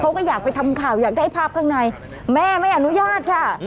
เขาก็อยากไปทำข่าวอยากได้ภาพข้างในแม่ไม่อนุญาตค่ะ